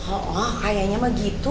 oh kayaknya mah gitu